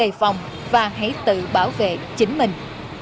đề phòng và hãy tự bảo vệ chính mình